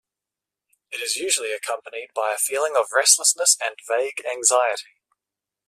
It is usually accompanied by a feeling of restlessness and vague anxiety.